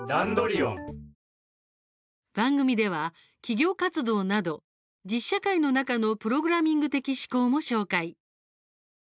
番組では企業活動など実社会の中のプログラム的思考も紹介。